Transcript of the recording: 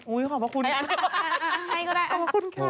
อู้ยตายแล้วเดี๋ยว